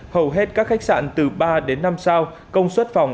hầu hết các khách sạn từ ba đến năm sao công suất phòng